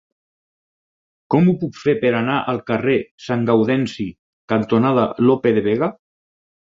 Com ho puc fer per anar al carrer Sant Gaudenci cantonada Lope de Vega?